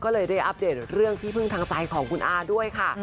เลยอัปเดตเรื่องที่พึ่งทางใจคุณอาด้วยค่ะ